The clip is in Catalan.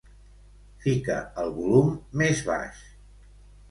Fica el volum més baix.